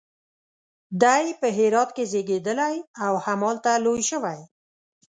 دی په هرات کې زیږېدلی او همالته لوی شوی.